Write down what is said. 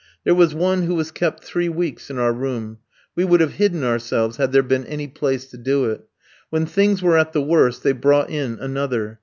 There was one who was kept three weeks in our room: we would have hidden ourselves, had there been any place to do it. When things were at the worst they brought in another.